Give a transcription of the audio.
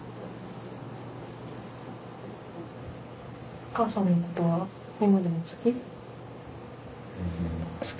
お母さんのことは今でも好き？